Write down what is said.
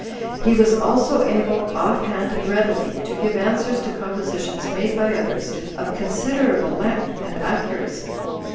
He was also able, off hand and readily, to give answers to compositions made by others, of considerable length and accuracy.